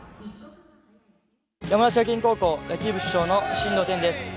山梨学院高校野球部主将の進藤天です。